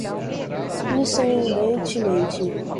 incidentemente